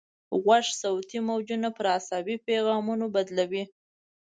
غوږ صوتي موجونه پر عصبي پیغامونو بدلوي.